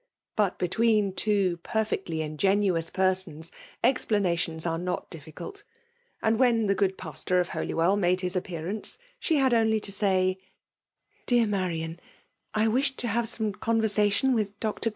But between two perfectly inge nuous persons, explanations are not difficult; and when the good pastor of Holywell made his appearance, she had only to say "Dear Marian, I wish to have some conversation with ViV^AV&^w^uwAnoK.